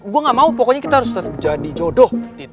gue gak mau pokoknya kita harus jadi jodoh